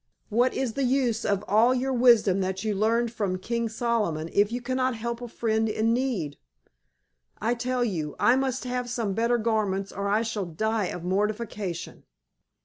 What is the use of all your wisdom that you learned from King Solomon if you cannot help a friend in need? I tell you, I must have some better garments, or I shall die of mortification."